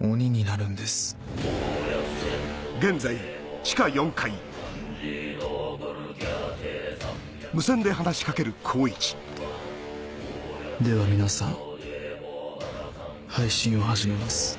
鬼になるんですでは皆さん配信を始めます。